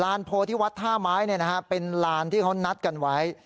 ลานโพลที่วัดท่าไม้นี่นะฮะเป็นลานที่เขานัดกันไว้